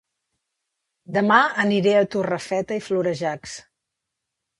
Dema aniré a Torrefeta i Florejacs